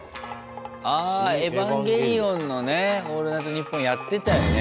あ「エヴァンゲリオン」のね「オールナイトニッポン」やってたよね。